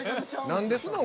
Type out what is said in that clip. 何ですのん？